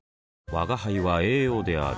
吾輩は栄養である